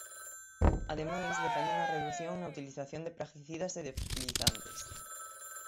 Ademais, defenden a redución na utilización de praguicidas e de fertilizantes.